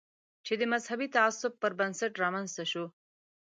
چې د مذهبي تعصب پر بنسټ رامنځته شو.